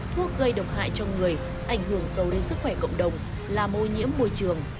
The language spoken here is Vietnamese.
thuốc gây độc hại cho người ảnh hưởng sâu đến sức khỏe cộng đồng làm ô nhiễm môi trường